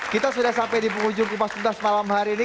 kita sudah sampai di penghujung kupas tuntas malam hari ini